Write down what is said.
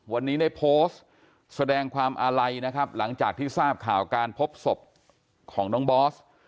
วันนี้ได้โพสต์แสดงความอาลัยนะครับหลังจากที่ทราบข่าวการพบศพของน้องบอส